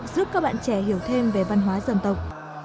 giúp các bạn trẻ hiểu thêm về văn hóa dân tộc